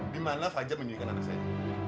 dimana fajar menculikkan anak saya